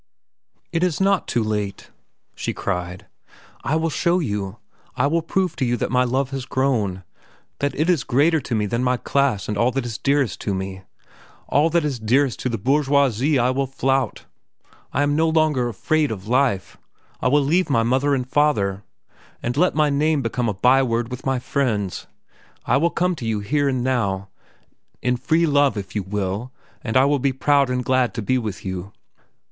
"It is not too late," she cried. "I will show you. I will prove to you that my love has grown, that it is greater to me than my class and all that is dearest to me. All that is dearest to the bourgeoisie I will flout. I am no longer afraid of life. I will leave my father and mother, and let my name become a by word with my friends. I will come to you here and now, in free love if you will, and I will be proud and glad to be with you.